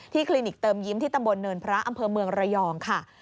คลินิกเติมยิ้มที่ตำบลเนินพระอำเภอเมืองระยองค่ะ